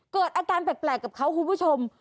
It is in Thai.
เกิดอาการแปลกกับเขาคุณผู้ชม